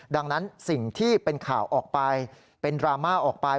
ดังนั้นสิ่งที่เป็นข่าวออกไปเป็นดราม่าออกไป